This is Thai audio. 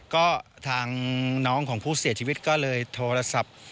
ก็ทางน้องของผู้เสียชีวิตก็เลยโทรศัพท์